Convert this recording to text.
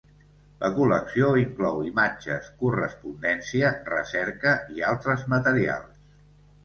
La col·lecció inclou imatges, correspondència, recerca i altres materials.